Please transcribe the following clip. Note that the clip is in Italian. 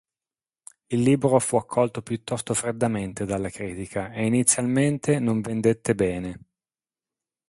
Il libro fu accolto piuttosto freddamente dalla critica e inizialmente non vendette bene.